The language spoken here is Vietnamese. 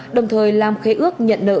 đồng thời làm khế ước nhận nợ